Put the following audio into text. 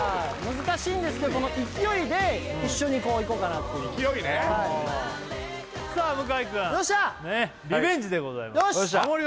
難しいんですけど勢いで一緒にいこうかなっていう勢いねさあ向井くんリベンジでございますよっしゃハモリ